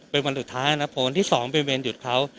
เป็นวันสุดท้ายนะครับเพราะวันที่สองเป็นเวรหยุดเขา